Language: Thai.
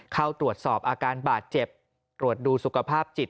เข้าตรวจสอบอาการบาดเจ็บตรวจดูสุขภาพจิต